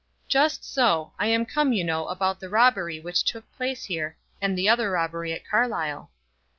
"Just so; I am come, you know, about the robbery which took place here, and the other robbery at Carlisle."